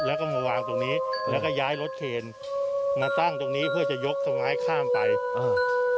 แล้วก็มาวางตรงนี้แล้วก็ย้ายรถเคนมาตั้งตรงนี้เพื่อจะยกต้นไม้ข้ามไปอ่า